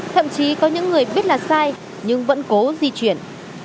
thậm chí có những người biết là sai nhưng vẫn cố di chuyển